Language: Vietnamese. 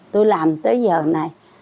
tôi làm tới giờ này